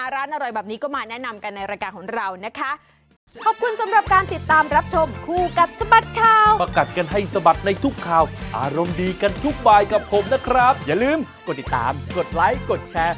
อร่อยแบบนี้ก็มาแนะนำกันในรายการของเรานะคะ